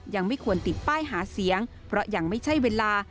ยังไม่ควรติดป้ายหาเสียงเพราะยังไม่ใช่เวลา